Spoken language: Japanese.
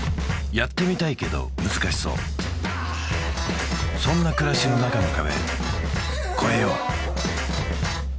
やってみたいけど難しそうそんな暮らしの中の壁